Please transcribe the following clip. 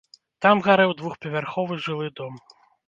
Там гарэў двухпавярховы жылы дом.